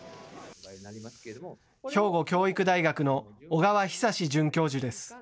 兵庫教育大学の小川修史准教授です。